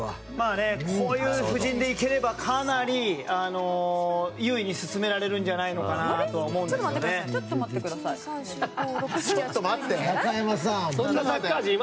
こういう布陣でいければかなり優位に進められるんじゃないかとちょっと待ってください。